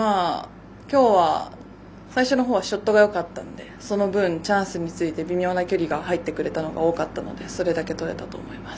きょうは最初のほうはショットがよかったのでその分、チャンスについて微妙な距離が入ってくれたのが多かったのでそれだけ取れたと思います。